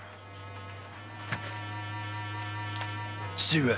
父上。